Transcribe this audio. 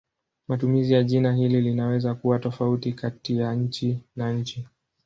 Matumizi ya jina hili linaweza kuwa tofauti kati ya nchi na nchi.